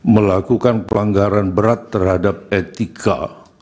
melakukan pelanggaran berat terhadap etika